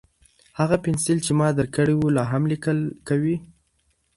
هغه پنسل چې ما درکړی و، لا هم لیکل کوي؟